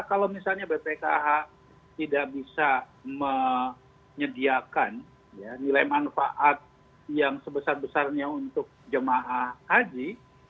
kalau misalnya bpkh tidak bisa menyediakan nilai manfaat yang sebesar besarnya untuk jemaah haji